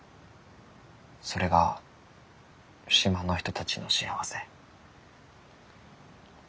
それが島の人たちの幸せ。